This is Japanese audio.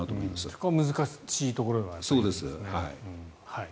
そこは難しいところではありますね。